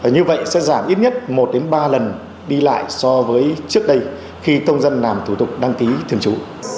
như vậy sẽ giảm ít nhất một ba lần đi lại so với trước đây khi công dân làm thủ tục đăng ký thường trú